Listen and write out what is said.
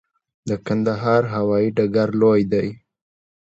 د کندهار هوايي ډګر لوی دی